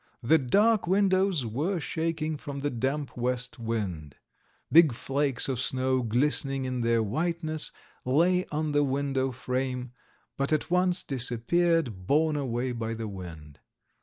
The dark windows were shaking from the damp west wind. Big flakes of snow glistening in their whiteness, lay on the window frame, but at once disappeared, borne away by the wind.